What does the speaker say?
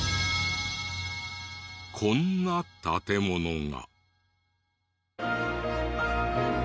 こんな建物が。